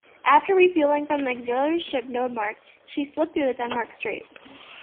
After refuelling from the auxiliary ship "Nordmark", she slipped through the Denmark Strait.